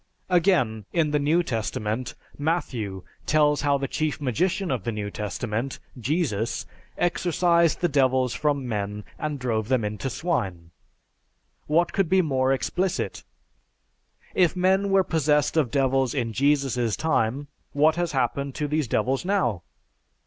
Again, in the New Testament, Matthew tells how the chief magician of the New Testament, Jesus, exorcised the devils from men and drove them into swine. What could be more explicit? If men were possessed of devils in Jesus' time, what has happened to these devils now?